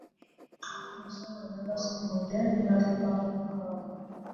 Amasowaani nagasiimuudde ne ngateeko mu Kabada.